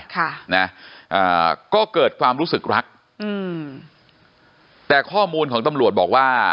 ค่ะนะอ่าก็เกิดความรู้สึกรักอืมแต่ข้อมูลของตำรวจบอกว่า